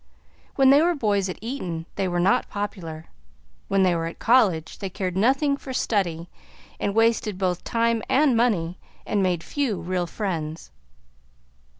When they were boys at Eton, they were not popular; when they were at college, they cared nothing for study, and wasted both time and money, and made few real friends.